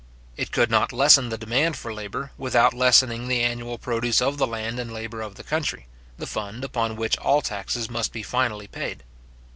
It could not lessen the demand for labour, without lessening the annual produce of the land and labour of the country, the fund upon which all taxes must be finally paid.